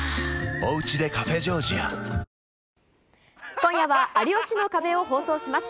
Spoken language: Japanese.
今夜は、有吉の壁を放送します。